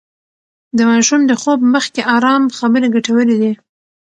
د ماشوم د خوب مخکې ارام خبرې ګټورې دي.